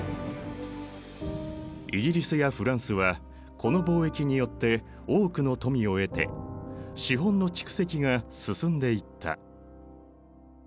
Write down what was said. イギリスやフランスはこの貿易によって多くの富を得て資本の蓄積が進んでいった。